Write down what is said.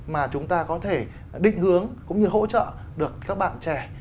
mà chúng ta có thể định hướng cũng như hỗ trợ được các bạn trẻ